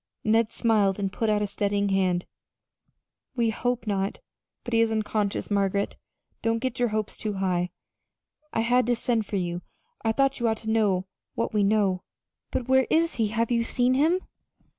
Ned smiled and put out a steadying hand. "We hope not and we think not. But he is unconscious, Margaret. Don't get your hopes too high. I had to send for you I thought you ought to know what we know." "But where is he? Have you seen him?"